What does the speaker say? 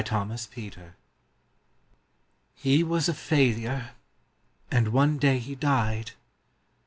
COMPASSION HE was a failure, and one day he died.